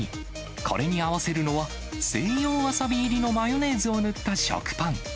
これに合わせるのは、西洋ワサビ入りのマヨネーズを塗った食パン。